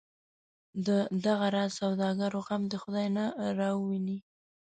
د دغه راز سوداګرو غم دی خدای نه راوویني.